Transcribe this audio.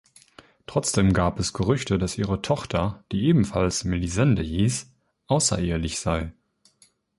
Trotzdem gab es Gerüchte, dass ihre Tochter, die ebenfalls Melisende hieß, außerehelich sei.